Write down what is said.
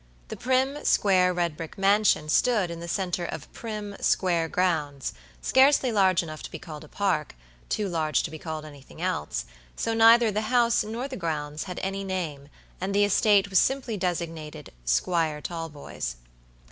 The prim, square, red brick mansion stood in the center of prim, square grounds, scarcely large enough to be called a park, too large to be called anything elseso neither the house nor the grounds had any name, and the estate was simply designated Squire Talboys'.